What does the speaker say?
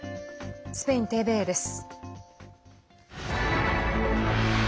スペインＴＶＥです。